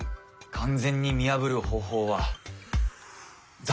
完全に見破る方法は残念ながらないんです。